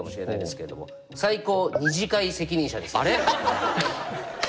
あれ？